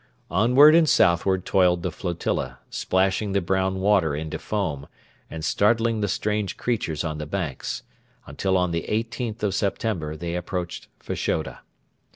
Onward and southward toiled the flotilla, splashing the brown water into foam and startling the strange creatures on the banks, until on the 18th of September they approached Fashoda.